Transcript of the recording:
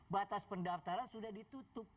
batas pendaftaran sudah ditutup